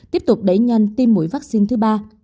tiếp tục đẩy nhanh tiêm mũi vaccine thứ ba